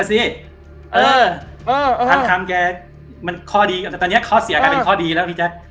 เออพันคำแกมันข้อดีแต่ตอนนี้ข้อเสียกลายเป็นข้อดีแล้วพี่แจ๊ค